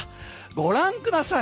ご覧ください。